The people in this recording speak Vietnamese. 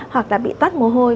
hoặc là bị toát mồ hôi